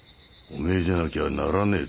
お前じゃなきゃならねえ